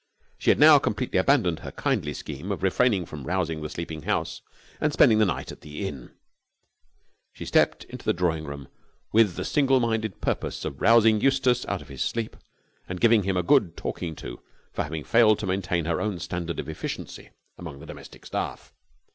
She had now completely abandoned her kindly scheme of refraining from rousing the sleeping house and spending the night at the inn. She stepped into the drawing room with the single minded purpose of rousing Eustace out of his sleep and giving him a good talking to for having failed to maintain her own standard of efficiency among the domestic staff.